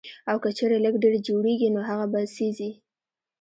او کۀ چرې لږ ډېر جوړيږي نو هغه به سېزئ